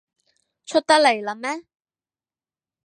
出得嚟喇咩？